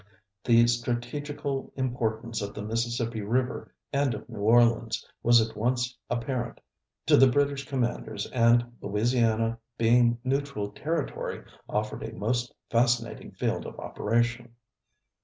The strategical importance of the Mississippi River and of New Orleans was at once apparent to the British commanders, and Louisiana, being neutral territory, offered a most fascinating field of operation.